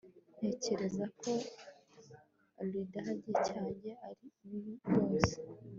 Ntekereza ko Ikidage cyanjye ari kibi rwose